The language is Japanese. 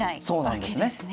そうなんですね。